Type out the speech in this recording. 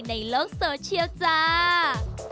ในโลกโซเชียลจ้า